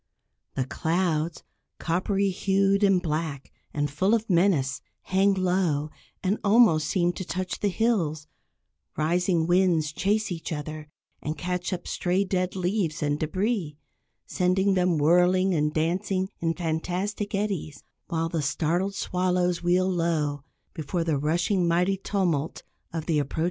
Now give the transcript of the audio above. The clouds, coppery hued and black, and full of menace, hang low, and almost seem to touch the hills, rising winds chase each other and catch up stray dead leaves and débris, sending them whirling and dancing in fantastic eddies; while the startled swallows wheel low before the rushing, mighty tumult of the approaching storm.